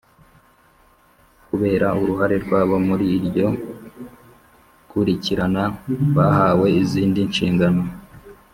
Kubera uruhare rwabo muri iryo kurikirana bahawe izindi nshingano